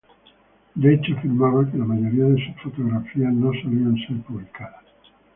De hecho, afirmaba que la mayoría de sus fotografías no solían ser publicadas.